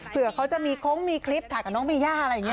เผื่อเขาจะมีโค้งมีคลิปถ่ายกับน้องมีย่าอะไรอย่างนี้